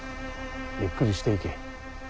ゆっくりしていけ。